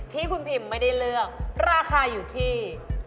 ที่คุณพิมไม่ได้เลือกราคาอยู่ที่